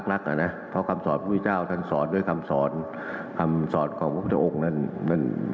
พระเจ้าต้องมีเนื้อเพื่อนการการลำนาบ